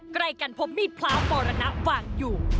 ใกล้กันพบมีดพร้าวมรณะวางอยู่